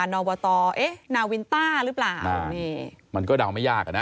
อบตเอ๊ะนาวินต้าหรือเปล่านี่มันก็เดาไม่ยากอ่ะนะ